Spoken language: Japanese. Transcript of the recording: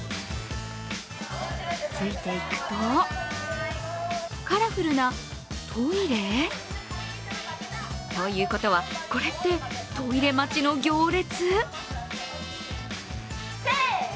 ついていくと、カラフルなトイレ？ということは、これってトイレ待ちの行列？